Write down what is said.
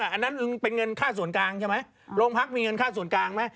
อันนั้นเป็นเงินค่าส่วนกลางใช่ไหมโรงพักมีเงินค่าส่วนกลางไหม